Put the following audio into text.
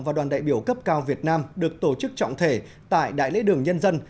và đoàn đại biểu cấp cao việt nam được tổ chức trọng thể tại đại lễ đường nhân dân